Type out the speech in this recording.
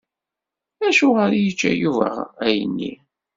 Acuɣer i yečča Yuba ayenni?